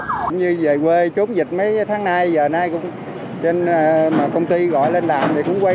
chúng tôi về quê chốn dịch mấy tháng nay giờ nay cũng trên mà công ty gọi lên đạm thì cũng quay